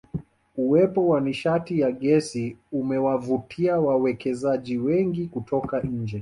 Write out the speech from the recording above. Uwepo wa nishati ya Gesi umewavutia wawekezaji wengi kutoka nje